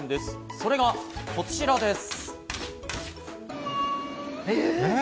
それがこちらです。